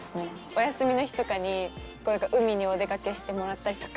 お休みの日とかに海にお出掛けしてもらったりとか。